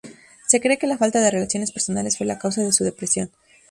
Se cree que la falta de relaciones personales fue la causa de su depresión.